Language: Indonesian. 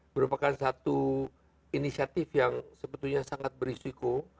merupakan satu inisiatif yang sebetulnya sangat berisiko